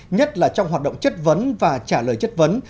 nhất là trong hoạt động chất vấn và trả lời chất vấn